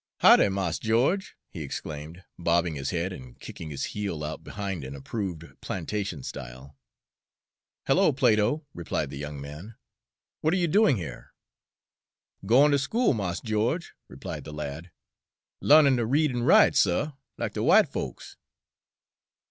"Hoddy, Mars Geo'ge!" he exclaimed, bobbing his head and kicking his heel out behind in approved plantation style. "Hello, Plato," replied the young man, "what are you doing here?" "Gwine ter school, Mars Geo'ge," replied the lad; "larnin' ter read an' write, suh, lack de w'ite folks."